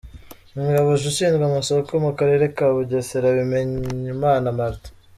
Umuyobozi ushinzwe amasoko mu Karere ka Bugesera, Bimenyimana Martin.